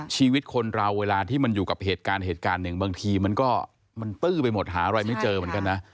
ชีวิตคนเราเวลาที่มันอยู่กับเหตุการณ์เหตุการณ์หนึ่งบางทีมันก็มันตื้อไปหมดหาอะไรไม่เจอเหมือนกันนะ